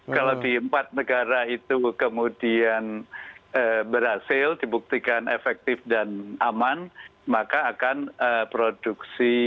kalau di empat negara itu kemudian berhasil dibuktikan efektif dan aman maka akan produksi